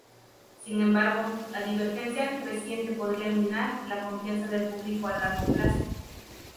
Sin embargo, la divergencia creciente podría minar la confianza del público a largo plazo.